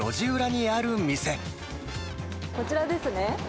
こちらですね。